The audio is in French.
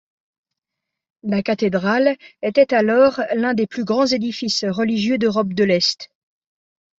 La cathédrale était alors l'un des plus grands édifices religieux d'Europe de l'Est.